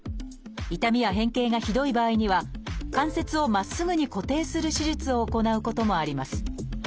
痛みや変形がひどい場合には関節をまっすぐに固定する手術を行うこともあります。